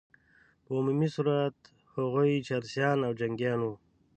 په عمومي صورت هغوی چرسیان او جنګیان وه.